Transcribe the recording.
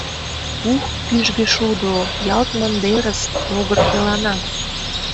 Ух, кӱжгӧ шудо! ялт мындерыс — могыр келана.